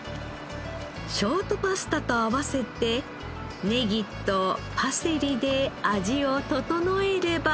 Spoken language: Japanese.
ショートパスタと合わせてネギとパセリで味を調えれば。